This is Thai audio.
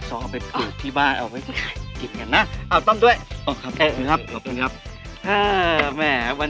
สิจะทานกำลังมาซื้นทำรั้น